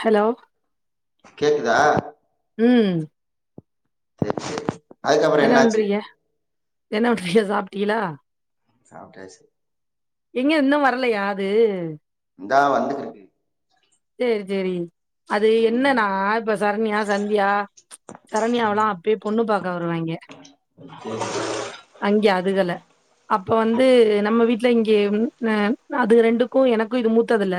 Hello கேக்குதா ம் சரி சரி அதுக்கப்புறோ என்ன என்னாச்சு பண்றீங்க என்ன பண்றீங்க சாப்பிட்டீலா சாப்ட்டாச்சு எங்க இன்னு வரலயா அது இந்தா வந்துக்கிரு சேரி சேரி அது ம் என்னன்னா இப்ப சரண்யா சந்தியா சரண்யாவெல்லா அப்யே பொண்ணு பாக்க வருவாய்ங்க அங்கே அதுகல அப்ப வந்து நம்ம வீட்ல இங்கே ம் அதுக ரெண்டுக்கு எனக்கு இது மூத்தது இல்ல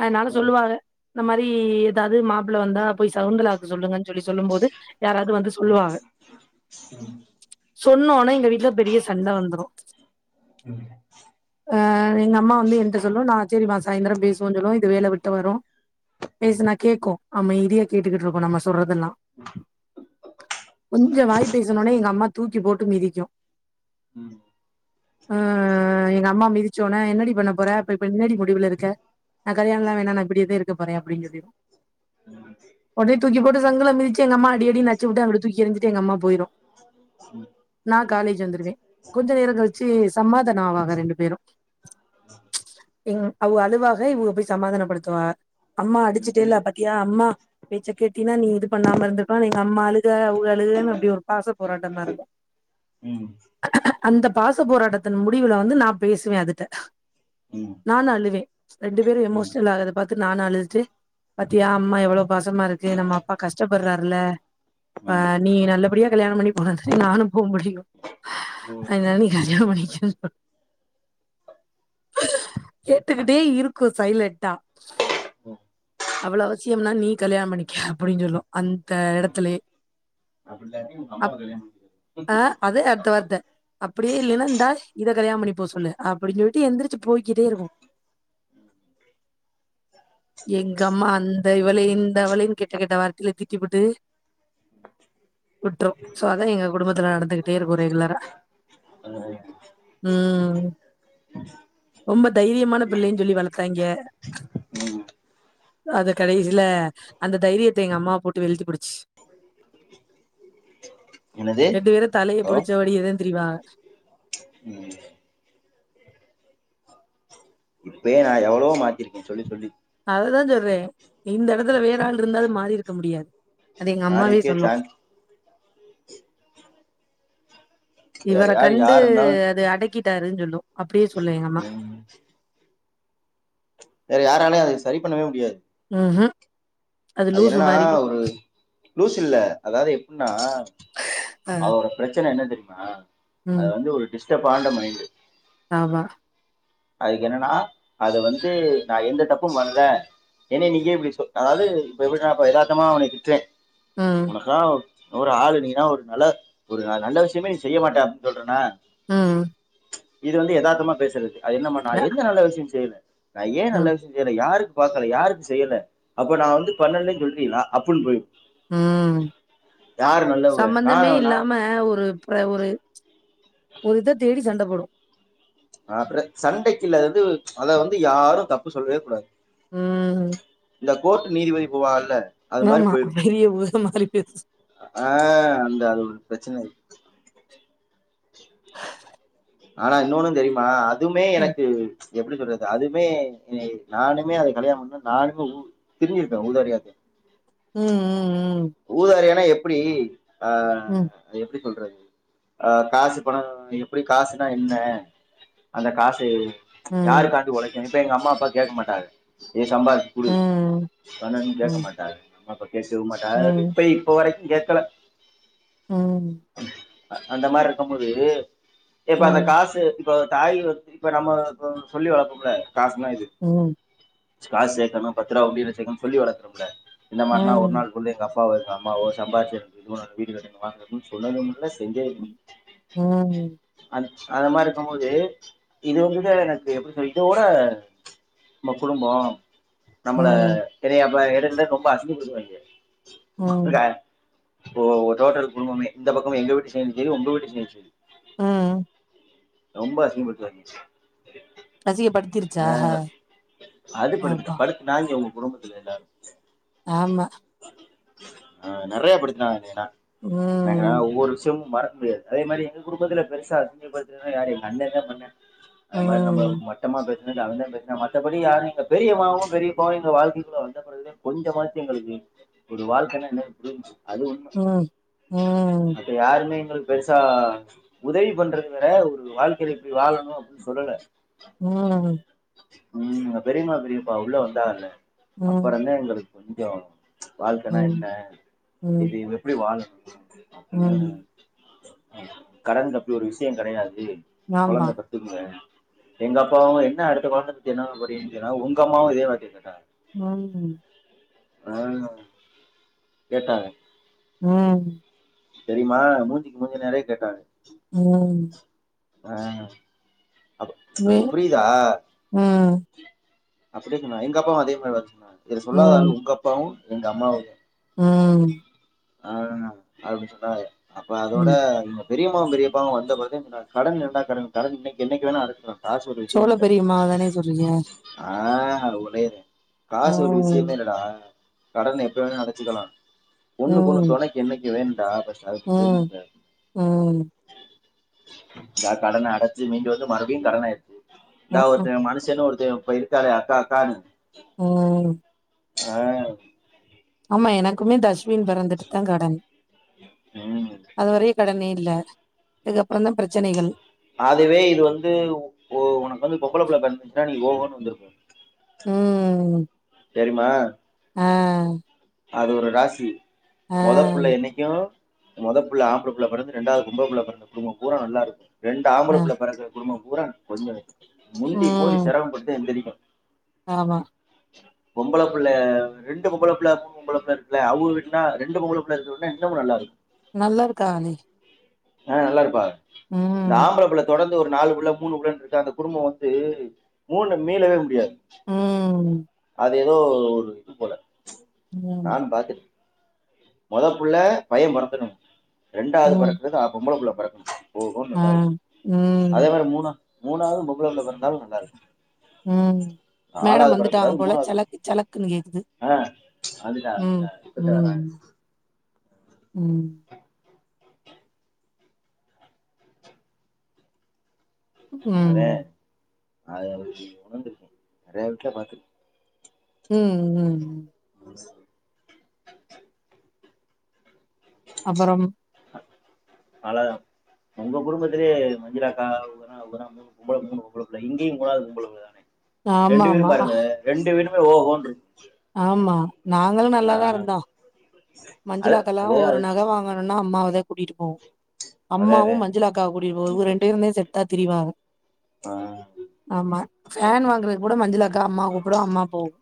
அதனால சொல்லுவாக இந்த மாதிரி எதாவுது மாப்பிள வந்தா போய் சவுந்தலாக் கு சொல்லுங்கனு சொல்லி சொல்லும் போது யாராவுது வந்து சொல்லுவாங்க சொன்ன ஒன்னே எங்க வீட்ல பெரிய சண்ட வந்துரு ம் அ எங்க அம்மா வந்து என்ட்ட சொல்லு நா சேரிமா சாய்ந்தர பேசுவோன்னு சொல்லு இது வேல வெட் தவறா பேசுனா கேக்கு அமைதியா கேட்டுகிட்டு இருக்கு நம்ம சொல்றதெல்லா கொஞ்சோ வாய் பேசுன ஒன்னே எங்க அம்மா தூக்கி போட்டு மிதிக்கு ம் ஆ எங்க அம்மா மிதிச்ச ஒன்னே என்னடி பண்ண போற இப்ப இப்ப என்னடி முடிவுல இருக்க நா கல்யாணோல்லா வே ணா நா இப்டியே தா இருக்க போற அப்டினு சொல்லிருவ ம் உடனே தூக்கி போட்டு சங்குல மிதுச்சு எங்கம்மா அடி அடினு அடிச்சு வுட்டு அங்க தூக்கி எறிஞ்சுட்டு எங்க அம்மா போயிரு ம் நா காலேஜ் வந்துருவே கொஞ்சோ நேரங் கழிச்சு சமாதானோ ஆவாங்க ரெண்டு பேரு ச் இங் அவுக அழுவாக இவுக போய் சமாதானப்படுத் துவாக அம்மா ம் அடிச்சீட்டே விடு இல்ல பாத்தியா அம்மா பேச்சக்கேட்டினா நீ இது பண்ணாம இருந்துருப்ப எங்க அம்மா அழுக அவுக அழுகன்னு அப்டி ஒரு பாச போராட்டமா இருக்கு [inaudible] ம் அந்த பாச போராட்டத்தின் முடிவுல வந்து நா பேசுவே அதுட்ட ம் நானு அழுவே ரெண்டு பேரு ம் எமோஷனல் ஆகுற பாத்து நானு அழுதுட்டு பாத்தியா அம்மா எவ்ளோ பாசமா இருக்கு நம்ம அப்பா கஷ்டப்படுறாருல ப ம் நீ நல்லபடியா கல்யாணம் பண்ணி போனதான்டி நானு போக முடியு ம் அதனால நீ கல்யானோ பண்ணிக்கோனு சொன் கேட்டுக்கிட்டே இருக்கு சைலட்டா ம் அவ்ள அவசியம்னா நீ கல்யாண பண்ணிக்க அப்டினு சொல்லு அந்த எடத்துலயே அப்டில்லாட்டி அப் அ அதே அடுத்த வார்த்த அப்டியே இல்லைன்னா இந்தா இத கல்யாணம் பண்ணி போ சொல்லு அப்டின் சொல்லிட்டு எந்திரிச்சு போயிகிட்டேயிருக்கு எங்கம்மா அந்த இவளே இந்த அவளேனு கெட்ட கெட்ட வார்த்தையில திட்டிபுட்டு விட்ரு சோ அதா எங்க குடும்பத்துல நடந்துகிட்டேயிருக்கு ரெகுலரா ஆ ம் ரொம்ப தைரியமான பிள்ளைனு சொல்லி வளத்தாய்ங்க ம் அது கடைசில அந்த தைரியத்த எங்க அம்மா போட்டு வெழுத்துபுடுச்சு என்னது ரெண்டு பேரு தலைய ஹலோ புடிச்சபடியேதா திரிவாங்க ம் இப்பயே நா எவ்ளவோ மாத்திருக்கே சொல்லி சொல்லி அததா சொல்றே இந்த எடத்துல வேறாள்ருந்தா அது மாறியிருக்க முடியாது அது எங்க அம்மாவே யாருக்கே சொல்லு சான்ஸ் வேற இவர யாரு கண்டு யார் இருந்தாலு அது அடக்கிட்டாருன் சொல்லு அப்டியே சொல்லு எங்கம்மா ம் வேற யாராலுமே அதய சரி பண்ணவே முடியாது ம்ஹூம் அது என்னன்னா ஒரு லூஸ் இல்ல அதாது எப்டினா அ அவ பிரச்சன என்ன தெரியுமா ம் அது வந்து ஒரு டிஸ்டர்ப் ஆன்ட மைண்டு தாவா அதுக்கு என்னனா அத வந்து நா எந்த தப்பு பண்ல என்னைய நீ ஏ இப்டி சொ அதாது இப்ப எப்டி நா இப்ப யதார்த்தமா உன்னைய நா திட்றே ம் உனக்குலா ஒரு ஆளு நீனா ஒரு நல்ல ஒரு நல்ல விஷயமே நீ செய்ய மாட்ட அப்டினு சொல்றனா ம் இது வந்து யதார்த்தமா பேசுறது அது என்ன நா அ எந்த நல்ல விஷய செய்யல நா ஏ ம் நல்ல விஷய ஏலே யாருக்கு பாக்கல யாருக்கு செய்யல அப்ப நா வந்து பண்ணல னு சொல்றீகளா அப்பன் போயி ம் நான் நான் சம்மந்தமேயில்லாம ஒரு ஒர ஒரு ஒரு இத தேடி சண்ட போடு அப்பற சண்டைக்குள்ள வந்து அத வந்து யாரு தப்பு சொல்லவே கூடாது ம் இந்த கோர்ட் நீதிபதி போவாகல்ல ஆமா வீதியே பூரா மாறிட்டுயிருந்துச்சு ஆ அந்த அது ஒரு பிரச்சனையிருக் ஆனா இன்னொன்னு தெரிமா அதுமே ம். எனக்கு எப்டி சொல்றது அதுமே நானுமே அத கல்யாண பண்ண நானுமே ஊ திரிஞ்சிருப்ப ஊதாரியாட்ட ம் ஊதாரியானா எப்டி ஆ ம், அத எப்டி சொல்றது ஆ காசு பண எப்டி காசுனா என்ன அந்த காசு ம், யாருக்காண்டி ஒழைக்கனு இப்ப எங்க அம்மா அப்பா கேக்கமாட்டாங்க நீ சம்பாதிச்சு குடு ம், பண்ணுனு ம், கேக்கமாட்டாங்க அம்மா அப்பா பேசவும்மாட்டாங்க ம், ம், இப்ப இப்ப வரைக்கும் கேக்கல ம் அந்த மாரியிருக்கும்போது இப்ப அந்த ம், காசு இப்போ தாய் இப்ப நம்ம சொல்லி வளப்போம்ல கூட காசுனா இது ம் காஸ் சேக்கணு பத்ரா உண்டில சேக்கணு சொல்லி வளக்கணு புள்ள இந்த மார்னா ஒர் நாள் சொல்லு எங்கப்பாவோ எங்கம்மாவோ சம்பார்ச்சி எனக்கிது வணு வீடு வேணு என வாங்றதுன் சொன்னதேயில்ல செஞ்சதேயில் ம் அந் அந்த மாரியிர்க்கும் போது இது ஒன்னுமேயில்ல எனக்கு எப்படி இதோட ம குழும்போ நம்மள ம், பெரியாப்ப எடுனு ரொம்ப அசிங்க படுத்துவாய்ங்க ம், [unintelligible] இப்போ டோட்டல் குடும்பமே இந்த பக்கோம் எங்க வீட்டு செய்ட் சேரி உங்க வீட்டு செய்ட் சேரி ம் ரொம்ப அசிங்கப்படுத்தரம்பிச் அசிங்கப்படுத்திருச்சா? வேண்ட அது படுத்துக்க அப்பா! படுத் நாய்ங்க உங்க குடும்பத்துல எல்லாரு ஆமா ஆ நெறைய படிச்சினான்னா எனக்கு ம், ஒவ்வொரு விஷயமு மறக்க முடியாது அதே மாரி எங்க குடும்பத்துல பெருசா ஹேப்பி பெர்த்டே யாரு எங்க அண்ண தா பண்யான் அது மாரி நம்ம ம், சுத்தமா பேசினதுல்ல அவன்தா பேசினா மத்தபடி யாரு பெரியம்மாவு பெரியப்பாவு எங்கள வாழ்த்திவிட்டு வந்தப்பெறகு கொஞ்ச மாச்சு எங்களுக்கு ஒரு வாழ்க்கைன என்னன்னா புரிஞ்சு அது உண்ம ம், ம், ம், அப்ப யாருமே எங்களுக்கு பெருசா உதவி பண்றது வேற ஒரு வாழ்க்கையில இப்டி வாழணு அப்படின்னு சொல்லல ம் ம் பெரியுமா பெரிப்பா உள்ள வந்தாங்கல அப்பறந்தா எங்களுக்கு கொஞ்ச வாழ்க்கனா ம், என்ன ம், இது எப்டி வாழணு அப்படின்னு ம். கடன் பத்தி ஒரு விஷய கெடையாது அப்டி ஆமா. கொழந்த பெ ங்க எங்கப்பாவு என்ன அடுத்த மாச [unintelligible] உங்க அம்மாவு இதே வார்த்தைய கேக்குறாங்க [inaudible] ஆ கேட்டாங்க ம் தெரிமா மூஞ்சுக்கு மூஞ்சு நேரய கேட்டாங்க ம் ஆ அ பு வே ஒனக்கு புரியுதா ம் அப்படியே சொன்னா எங்கப்பாவு அதே மாரிதா சொன்னாங்க இதுல ம், சொல்லாதாலு உங்கப்பாவு எங்கம்மாவு தா ம் ஆங் அப்படி சொன்னாரு அப்ப அதோட ம். பெரியமாவு பெரியப்பாவு வந்த பெறகு சொன்னாங்க கடன் என்னா கட கடன் இன்னைக்கு என்னைக்கு வேணா அடைக்கலா சோள பெரியமாவ தானே சொல்றீங்க ஆ ஒளறே காசு ஒரு ம் விஷயமே இல்லடா கடன எப்பவுமே அடைச்சுக்கலா ஒண்ணுகொண்ணு ம் தொணைக்கு என்னைக்கு வேணும்டா பஸ்ட் ம் ம் சார் கடன அடைச்சு மீண்டு வந்து மறுபடியு கடன் ஆயடுச்சு இந்தா ம்ஹும் ஒருத்த மனு செல்லோ ஒருஜ்ஜயோ போய்ருக்காளே அக்கா அக்கானு உஹம் ஆ ஆமா எனக்குமே தஸ்வின் பிறந்துட்டு தா கடன் ம் அதுவரையு கடனே இல்ல அதுக்கப்புறந் தா பிரச்சனைகள் அதுவே இது வந்து உனக்கு வந்து பொம்பளப்புள்ள பிறந்துச்சுன்னா நீ ஓஹோன்னு வந்திருப்ப ம்ம்ம் செரிம்மா ஆ அது ஒரு ராசி ஆ மொதப்புள்ள என்னைக்கு மொத புள்ள ஆம்பளை புள்ள புறந்து ரெண்டாவது பொம்பள புள்ள பிறந்த குடும்பம் பூரா நல்லா இருக்கு ரெண்டு ஆம்பள ஆ புள்ள பெறந்து குடும்பம் பூரா கொஞ்சோ முண்டி மோதி ம் சிரமம் பட்டு எந்தரிக்கு ஆமா பொம்பள புள்ள ரெண்டு பொம்பள புள்ளயாக்கு பொம்பளப்புள்ள இருக்குல அவுக வீட்ல ரெண்டு பொம்பள புள்ள இருக்குற வீட்ல இன்னமு நல்லா இருக்கு நல்லா ருக்கானே ஆ நல்லா இருப்பாக இந்த ம் ஆம்பள புள்ள தொடர் ந்து ஒரு நாலு புள்ள மூணுபுள்ள இருக்ற அந்த குடும்போ வந்து மூணு மீளவே முடியாது ம் அது ஏதோ ஒரு இது போல ஆமா நானு பாத்துட் மொத புள்ள பைய பெறக்கணு ரெண்டாவது ம் பெறக்கறது பொம்பள புள்ள பெறக்கணு ஓகோன் ஆ நல்லா இருக்கு ம் அதே மாரி மூணா மூணாவது பொம்பள புள்ள பிறந்தாலு நல்லா இருக்கு ம் மேடம் வந்துட்டாங்க படக்கூடாது போல மூணாவது சலக் சலக்குன்னு கேக்குது ஆ அதுதான் ம் அதுதான் இப்பதான் ம் வராங்க ம் அதே ம் அது ஒருவிஷ் உணர்ந்துருக்கே நிறைய வீட்ல பாத்துருக்கே ம் ம் ம் பார்த்துருக்கேன் அப்பறம் நல்லாதா உங்க குடும்பத்திலே மஞ்சுளாக்கா மூணு பொம்பள புள்ள இங்கயு மூணாவது பொம்பள புள்ள தானே ரெண்டு வீடு ஆமாமா. ஆமா. பாருங்க ரெண்டு வீடுமே ஓகோண்ருக்கு ஆமா நாங்களு நல்லாதா இருந்தோ அது மஞ்சுளாக்கல்லா அது ஒரு அது நக வாங்க ன்னா அம்மாவ தா கூட்டிட்டுப்போவு அதே அம்மாவு அதே மஞ்சுளா அக்காவ கூட்டி போவு இவ்க ரெண்டு பேருந்தே செட்டா திரிவாக ஆ ஆமா ஃபேன் வாங்குறது கூட மஞ்சுள அக்கா அம்மாவ கூப்டு அம்மா போகு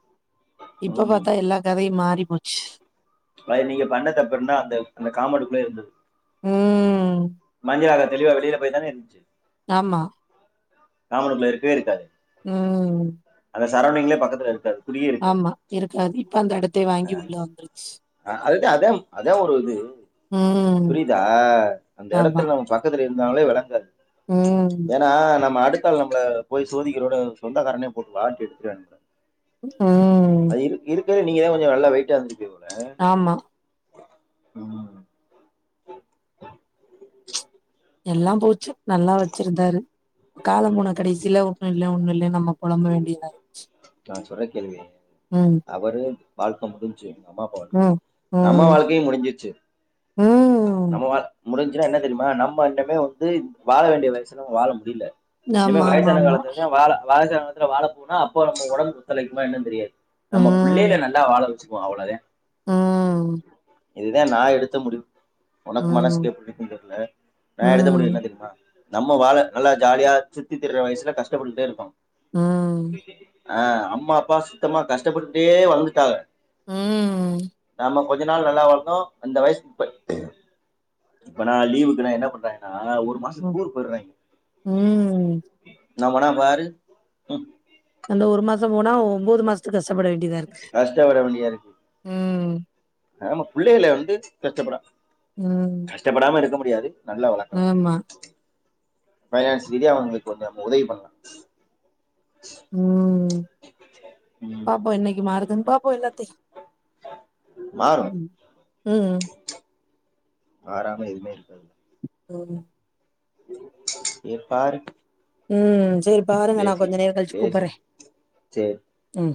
இப்ப பாத்தா ம். எல்லா கதையு மாறி போச்சு அது நீங்க பண்ண தப்பு என்னென்ன அந்த அந்த காம்பவுண்டுக்குள்ள இருந்தது ம் மஞ்சுளாஅக்கா தெளிவா வெளியில போயி தானே இருந்துச்சு ஆமா ஆம்பள புள்ள இருக்கவே இருக்காது ம் அந்த சரௌண்டிங்லயே பக்கத்துல இருக்காது குடியே இருக்காது ஆமா இருக்காது இப்ப அந்த இடத்தே வாங்கி உள்ள வந்துருச்சு அ அதுதா அதா அதா ஒரு இது ம். புரியுதா அந்த ஆமா. இடத்துல நம் பக் கத்துல இருந்தாலே வெளங்காது ம். ஏன்னா நம்ம அடுக் அடுத்தாள் நம்மள போய் சோதிக்கிறத விட சொந்தக்காரனே போட்டு வாட்டி எடுத்துருவானுங்க ம் இருக் இருக்கருதலயே நீங்கதா கொஞ்சோ நல்லா வெயிட்டா இருந்திருப்பீங்க போல ஆமா. ம் எல்லா போச்சு நல்லா வச்சிருந்தாரு காலம் போன கடைசில ஒன்னு இல்ல ஒன்னு இல்ல நம்ம புலம்ப வேண்டியதாயிருச்சு ம் வரு வாழ்க்க முடிஞ்ச்சு எங்க அம்மா அப்பா வாழ்க்க ம் அம்மா ம் வாழ்க்கையு முடிஞ்சிருச்சு ம் நம்மவா முடிஞ்ச்சுனா என்ன தெரியுமா நம்ம இன்னமே வந்து வாழ வேண்டிய வயசுல வாழ முடில இல்ல ஆமா ஆமா வயசான ஆமா காலத்லதே வாழ வயசான த்துல வாழப்போனா அப்போ நம்ம உடம்பு ஒத்துழைக்குமா என்னன் தெரியாது நம்ம பிள்ளைல நல்லா வாழ வச்சுகுவோ அவ்ளதே ம் இதுதா நா எடுத்த முடிவு உனக்கு மனசுக்கு ம் எப்டிக்குன்னு தெர்ல ம் நா எடுத்த முடிவு ம் என்ன தெரியுமா நம்ம வாழ நல்லா ஜாலியா சுத்தி திரியுற வயசுல கஷ்டப்பட்டுட்டே இருக்கோ ம் ஆ அம்மா அப்பா சுத்தமா கஷ்டப்பட்டே வந்துடாங்க ம் நாம கொஞ்சோ நாள் நல்லா வாழ்ந்தோ அந்த வயசு இப்ப இப்ப நா லீவுக்கு நா என்ன பண்றாயனா ஒரு மாச ம் டூர் போய்றாய்ங்க ம் நம்மனா பாரு அந்த ஒரு மாச போனா ஒம்போது மாசதுக்கு கஷ்டப்பட வேண்டியதா இருக்கு கஷ்டப்பட ம் நம்ம பிள்ளைகள வந்து பெத்தப்படா ம்ம் கஷ்டப்படாம இருக்க முடியாது நல்லா வளக்கலா பைனான்ஸ் ரீதியா அவங்களுக்கொஞ்சோ நம்ம உதவி பண்லா ம் ம் பாப்போ என்னைக்கு மாறுதுன் பாப்போ எல்லாத்தையு மாறும் ம் ம் மாறாம எதுவுமே இருக்காது ம் ஏ பாருக் ம் சேரிப் பாருங்க நா கொஞ்சோ நேர கழிச்சு பேசு கூப்பறே சரி ம்